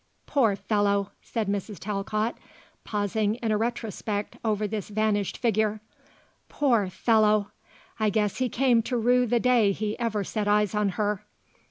Poor fellow!" said Mrs. Talcott pausing in a retrospect over this vanished figure, "Poor fellow! I guess he came to rue the day he ever set eyes on her.